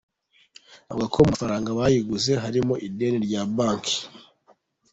Avuga ko mu mafaranga bayiguze harimo ideni rya banki.